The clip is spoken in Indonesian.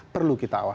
perlu kita awasi